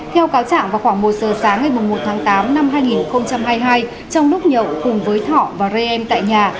theo cáo trạng vào khoảng một giờ sáng ngày một tháng tám năm hai nghìn hai mươi hai trong lúc nhậu cùng với thọ và rê em tại nhà